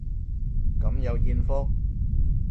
咁有艷福